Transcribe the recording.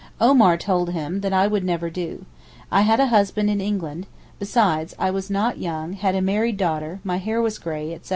Omar told him that would never do. I had a husband in England; besides, I was not young, had a married daughter, my hair was gray, etc.